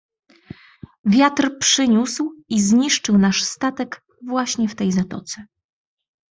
"Wiatr przyniósł i zniszczył nasz statek właśnie w tej zatoce."